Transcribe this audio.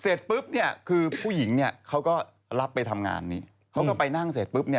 เสร็จปุ๊บเนี่ยคือผู้หญิงเนี่ยเขาก็รับไปทำงานนี้เขาก็ไปนั่งเสร็จปุ๊บเนี่ย